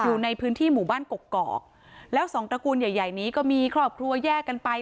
อยู่ในพื้นที่หมู่บ้านกกอกแล้วสองตระกูลใหญ่ใหญ่นี้ก็มีครอบครัวแยกกันไป